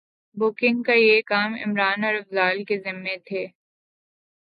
booking کا یہ کام عمران اور افضال کے ذمے تھے